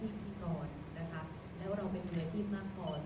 ให้หมู่ทำลายเป็นสัมภาษณ์ใคร